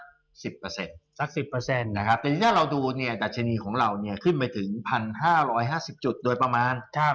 แต่ถ้าเราดูดัชนีของเราขึ้นไปถึง๑๕๕๐จุดโดยประมาณ